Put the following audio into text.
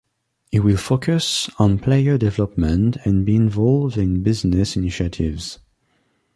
He will focus on player development and be involved in business initiatives.